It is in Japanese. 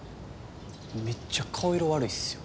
めっちゃ顔色悪いっすよ。